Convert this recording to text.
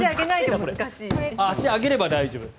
足を上げれば大丈夫。